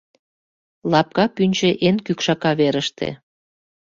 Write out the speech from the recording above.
Лапка пӱнчӧ эн кӱкшака верыште.